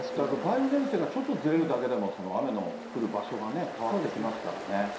梅雨前線がちょっとずれるだけでも、雨の降る場所がね、変わってきますからね。